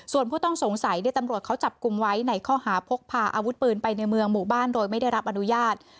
ส่วนผู้ต้องสงสัยตำรวจเขาจับกลุ่มไว้ในข้อหาพกพาอาวุธปืนไปในเมืองหมู่บ้านโดยไม่ได้รับอนุญาต